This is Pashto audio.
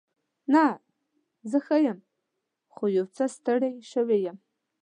نه، زه ښه یم. خو یو څه ستړې شوې یم.